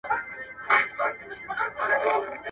بيزو وان ويل بيزو ته په خندا سه.